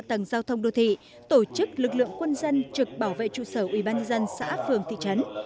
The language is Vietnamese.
tầng giao thông đô thị tổ chức lực lượng quân dân trực bảo vệ trụ sở ubnd xã phường thị trấn